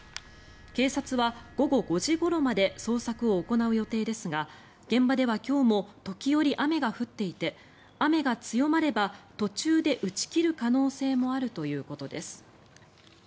警察は午後５時ごろまで捜索を行う予定ですが現場では今日も時折、雨が降っていて雨が強まれば途中で打ち切る可能性もあるということです。